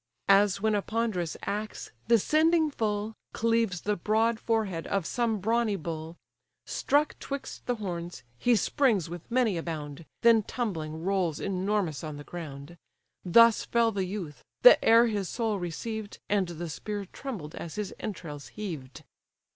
As when a ponderous axe, descending full, Cleaves the broad forehead of some brawny bull: Struck 'twixt the horns, he springs with many a bound, Then tumbling rolls enormous on the ground: Thus fell the youth; the air his soul received, And the spear trembled as his entrails heaved.